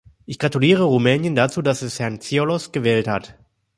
Ich gratuliere Rumänien dazu, dass es Herrn Cioloş gewählt hat.